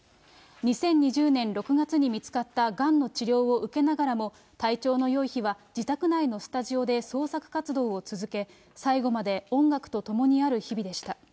２０２０年６月に見つかったがんの治療を受けながらも、体調のよい日は、自宅内のスタジオで創作活動を続け、最期まで音楽と共にある日々でした。